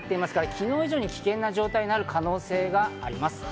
昨日以上に危険な状態になる可能性があります。